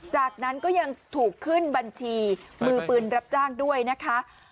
จากนั้นก็ยังถูกขึ้นบัญชีมือปืนรับจ้างด้วยนะคะ